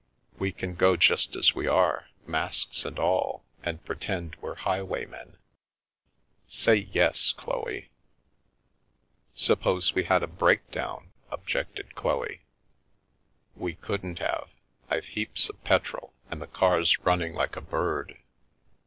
We can go just as we are, masks and all, and pretend we're highwaymen. Say yes, Chloe !" Suppose we had a break down?" objected Chloe. We couldn't have. I've heaps of petrol and the car's running like a bird.